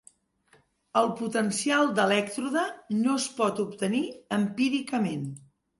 El potencial de elèctrode no es pot obtenir empíricament.